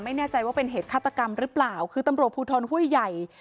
ไม่แน่ใจว่าเป็นเหตุฆาตกรรมหรือเปล่าคือตำรวจภูทรห้วยใหญ่